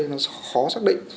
nó khó xác định